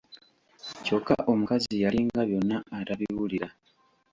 Kyokka omukazi yalinga byonna atabiwulira.